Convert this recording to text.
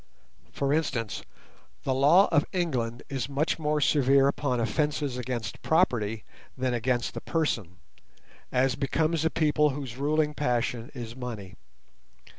For instance, the law of England is much more severe upon offences against property than against the person, as becomes a people whose ruling passion is money.